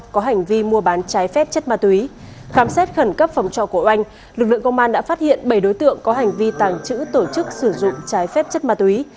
khám xét khẩn cấp phòng trọ cổ oanh lực lượng công an đã phát hiện bảy đối tượng có hành vi tàng trữ tổ chức sử dụng trái phép chất ma túy